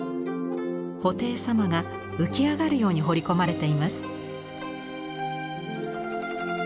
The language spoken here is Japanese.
布袋様が浮き上がるように彫り込まれています。